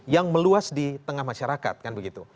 yang meluas di tengah masyarakat